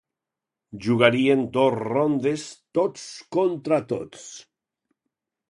Jugarien dos rondes tots contra tots.